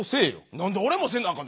何で俺もせなあかんねん。